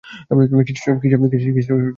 কীসের শব্দ আসছে?